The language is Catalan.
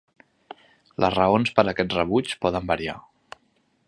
Les raons per aquest rebuig poden variar.